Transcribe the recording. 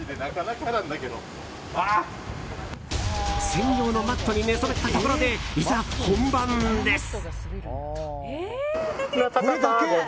専用のマットに寝そべったところでいざ本番です。